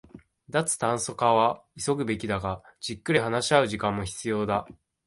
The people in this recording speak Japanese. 脱炭素化は急ぐべきだが、じっくり話し合う時間も必要だ